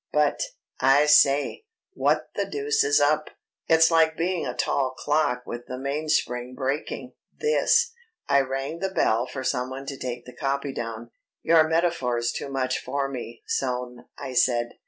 "But ... I say, what the deuce is up? It's like being a tall clock with the mainspring breaking, this." I rang the bell for someone to take the copy down. "Your metaphor's too much for me, Soane," I said.